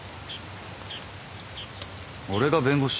俺が弁護士？